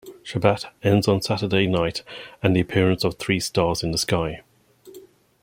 Shabbat ends on Saturday night after the appearance of three stars in the sky.